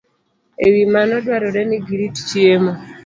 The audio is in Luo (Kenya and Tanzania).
E wi mano, dwarore ni girit chiemo